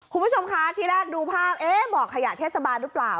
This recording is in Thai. คุณผู้ชมคะที่แรกดูภาพบ่อขยะเทศบาลหรือเปล่า